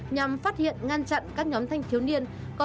nhằm phát hiện ngăn chặn các nhóm thanh thiếu niên